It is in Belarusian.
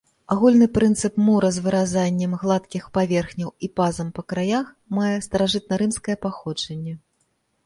Агульны прынцып мура з выразаннем гладкіх паверхняў і пазам па краях мае старажытнарымскае паходжанне.